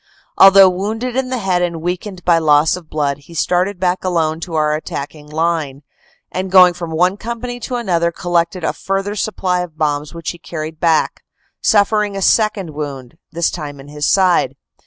Although wounded in the head and weak ened by loss of blood, he started back alone to our attacking line, and going from one company to another collected a fur ther supply of bombs which he carried back, suffering a second wound, this time in the side.